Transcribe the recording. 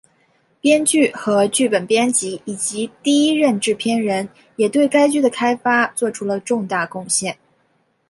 编剧和剧本编辑以及第一任制片人也对该剧的开发作出了重大贡献。